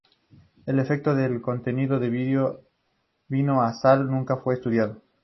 El efecto del contenido de vino o sal nunca fue estudiado.